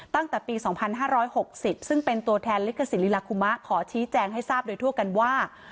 ตั้งแต่ปีสองพันห้าร้อยหกสิบซึ่งเป็นตัวแทนลิขสิทธิ์ลิลาคุมะขอชี้แจงให้ทราบโดยทั่วกันว่า